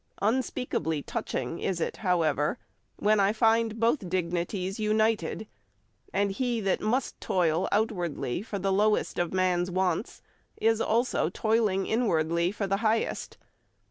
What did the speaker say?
Unspeakably touching is it however when I find both dignities united; and he that must toil outwardly for the lowest of man's wants, is also toiling inwardly for the highest.